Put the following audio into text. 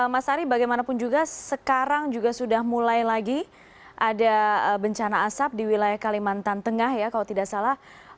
mas ari bagaimanapun juga sekarang juga sudah mulai lagi ada bencana asap di wilayah kalimantan tengah ya kalau tidak salah